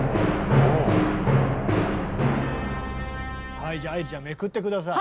はいじゃあ愛理ちゃんめくって下さい。